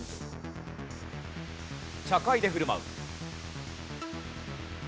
茶会で振る舞う。